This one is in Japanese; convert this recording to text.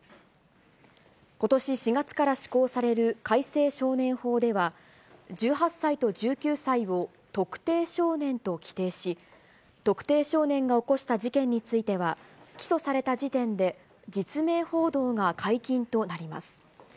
ことし４月から施行される改正少年法では、１８歳と１９歳を特定少年と規定し、特定少年が起こした事件については、起訴された時点で実名報道が解禁となります。